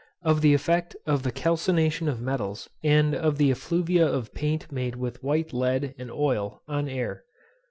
_Of the effect of the CALCINATION of METALS, and of the EFFLUVIA of PAINT made with WHITE LEAD and OIL, on AIR.